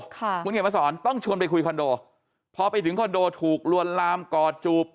คุณเขียนมาสอนต้องชวนไปคุยคอนโดพอไปถึงคอนโดถูกลวนลามกอดจูบ